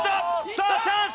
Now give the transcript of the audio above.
さあチャンス！